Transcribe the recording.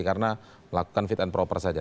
karena melakukan fit and proper saja